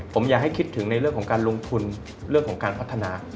ผมอยากให้คิดถึงในเรื่องของการลงทุนเรื่องของการพัฒนา